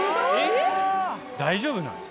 ⁉大丈夫なの？